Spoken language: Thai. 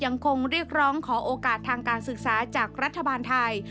ยังคงเรียกร้องขอโอกาสทางการศึกษาจากรัฐบาลไทย